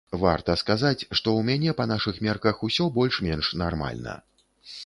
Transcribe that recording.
Варта сказаць, што ў мяне па нашых мерках усё больш-менш нармальна.